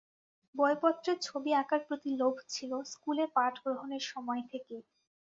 বইপত্রের ছবি আঁকার প্রতি লোভ ছিল স্কুলে পাঠ গ্রহণের সময় থেকেই।